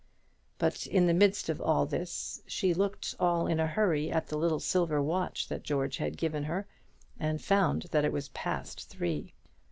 But in the midst of all this she looked all in a hurry at the little silver watch that George had given her, and found that it was past three.